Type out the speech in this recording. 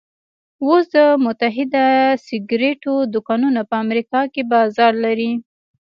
اوس د متحده سګرېټو دوکانونه په امريکا کې بازار لري.